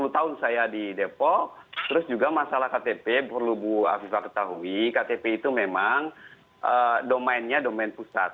sepuluh tahun saya di depok terus juga masalah ktp perlu bu afifah ketahui ktp itu memang domainnya domain pusat